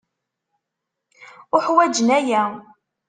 Uḥwaǧen aya.